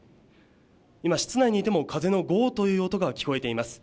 今、室内にいても風のごーという音が聞こえています。